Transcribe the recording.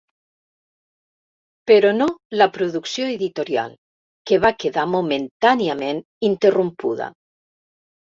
Però no la producció editorial, que va quedar momentàniament interrompuda.